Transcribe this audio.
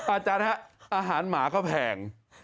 อาจารย์ฮะอาหารหมาก็แพง